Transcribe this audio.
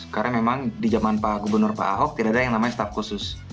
karena memang di zaman pak gubernur pak ahok tidak ada yang namanya staf khusus